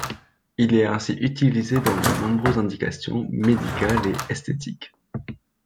Il est ainsi utilisé dans de nombreuses indications médicales et esthétiques.